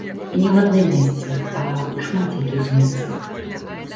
І не ў адным месцы, а ў шмат якіх месцах.